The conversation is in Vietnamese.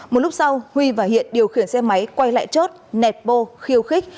một lúc sau huy và hiện điều khiển xe máy quay lại chốt nẹp bô khiêu khích